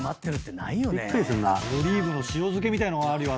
オリーブの塩漬けみたいのがあるよ。